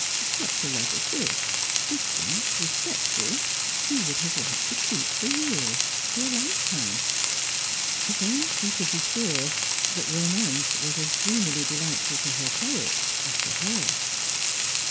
Such a love as this, distant, respectful, she would have liked to keep for years, for a lifetime. If only she could be sure that romance was as dreamily delightful to her poet as to her!